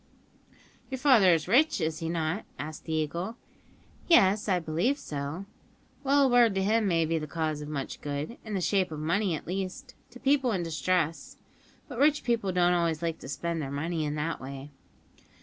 "Your father is rich, is he not?" asked the Eagle. "Yes, I believe so." "Well, a word to him may be the cause of much good, in the shape of money at least, to people in distress; but rich people don't always like to spend their money in that way."